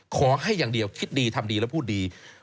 ขอให้อย่างเดียวคิดดีทำดีแล้วพูดดี